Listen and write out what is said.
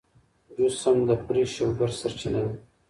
جوس هم د فري شوګر سرچینه ده.